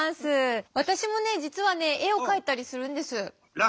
私もね実はね絵を描いたりするんです。らしいね。